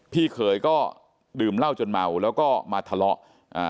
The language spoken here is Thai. พี่เขยก็ดื่มเหล้าจนเมาแล้วก็มาทะเลาะอ่า